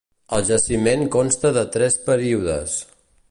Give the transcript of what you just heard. El jaciment consta de tres períodes: